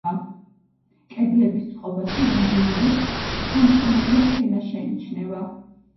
კედლების წყობაში რამდენიმე სამშენებლო ფენა შეიმჩნევა.